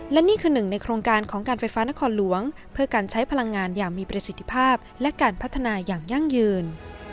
และนี่คือหนึ่งในโครงการของการไฟฟ้านครหลวงเพื่อการใช้พลังงานอย่างมีประสิทธิภาพและการพัฒนาอย่างยั่งยืน